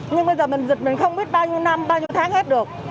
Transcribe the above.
nhưng bây giờ mình dịch mình không biết bao nhiêu năm bao nhiêu tháng hết được